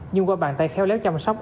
nhưng qua bàn tay khéo léo chăm sóc